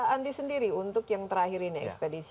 andi sendiri untuk yang terakhir ini ekspedisi